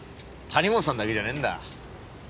谷本さんだけじゃねえんだ。